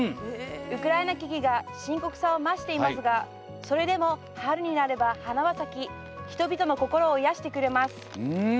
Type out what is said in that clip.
ウクライナ危機が深刻さを増していますがそれでも春になれば花は咲き、人々の心を癒やしてくれます。